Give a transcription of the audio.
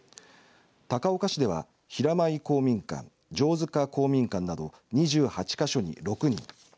高岡市では平米公民館定塚公民館など２８か所２６人